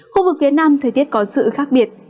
khu vực phía nam thời tiết có sự khác biệt